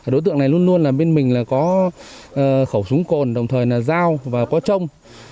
đối tượng này luôn luôn bên mình có khẩu súng cồn đồng thời là dao và có trông